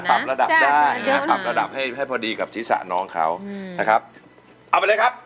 ปรับระดับได้นะปรับระดับให้ให้พอดีกับศีรษะน้องเขานะครับเอาไปเลยครับ